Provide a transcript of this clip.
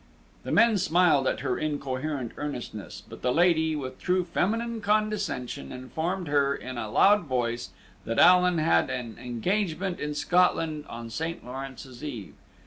The men smiled at her incoherent earnestness, but the lady, with true feminine condescension, informed her, in a loud voice, that Allan had an engagement in Scotland on St. Lawrence's Eve.